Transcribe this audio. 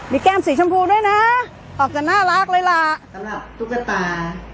มีแก้มสีชมพูด้วยนะออกจะน่ารักเลยล่ะสำหรับตุ๊กตา